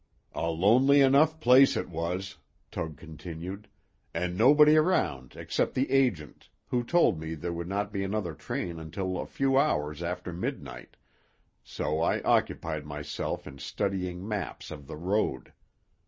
"A lonely enough place it was," Tug continued, "and nobody around except the agent, who told me there would not be another train until a few hours after midnight, so I occupied myself in studying maps of the road.